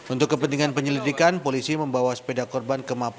untuk kepentingan penyelidikan polisi membawa sepeda korban ke mapolda